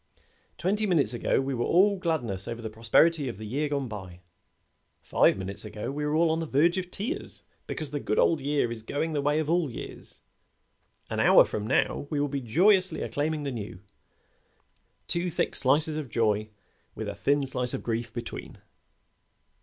Twenty minutes ago we were all gladness over the prosperity of the year gone by. Five minutes ago we were all on the verge of tears because the good old year is going the way of all years. An hour from now we will be joyously acclaiming the new. Two thick slices of joy with a thin slice of grief between."